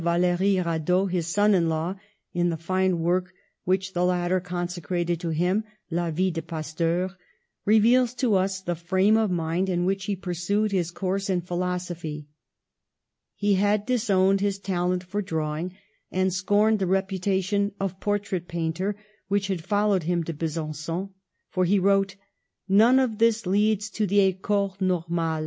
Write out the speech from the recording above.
Vallery Radot, his son in law, in the fine work which the latter consecrated to him, La Vie de Pasteur, reveals to us the frame of mind in which he pursued his course in philosophy. He had disowned his talent for drawing, and scorned the reputation of por trait painter which had followed him to Be sanQon; for he wrote, ''None of this leads to the Ecole Normale.